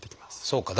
そうか。